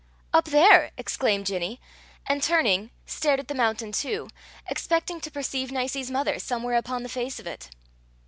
"Up there!" exclaimed Ginny, and, turning, stared at the mountain too, expecting to perceive Nicie's mother somewhere upon the face of it.